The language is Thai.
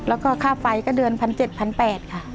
แล้วก็ค่าไฟก็เดือนพันเจ็ดพันแปดค่ะ